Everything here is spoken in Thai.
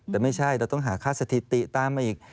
แต่ไม่ใช่เราต้องหาค่าสถิติตามมาอีก